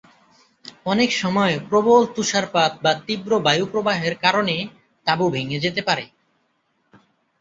অনেকসময় প্রবল তুষারপাত বা তীব্র বায়ুপ্রবাহের কারণে তাবু ভেঙ্গে যেতে পারে।